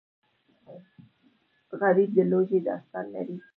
غریب د لوږې داستان لري